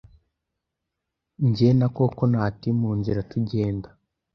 njye na Kokonati mu nzira tugenda,